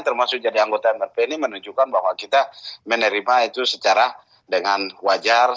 termasuk jadi anggota mrp ini menunjukkan bahwa kita menerima itu secara dengan wajar